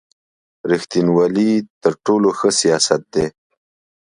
رېښتینوالي تر ټولو ښه سیاست دی.